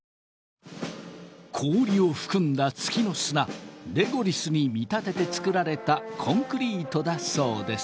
氷を含んだ月の砂レゴリスに見立てて作られたコンクリートだそうです。